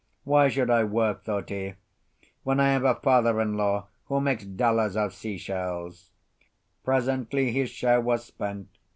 "Why should I work," thought he, "when I have a father in law who makes dollars of sea shells?" Presently his share was spent.